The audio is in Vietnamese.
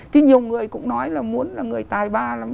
thì nhiều người cũng nói là muốn là người tài ba lắm